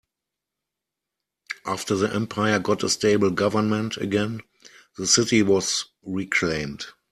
After the empire got a stable government again, the city was reclaimed.